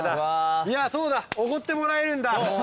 そうだおごってもらえるんだ。